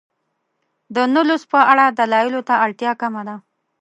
د نه لوست په اړه دلایلو ته اړتیا کمه ده.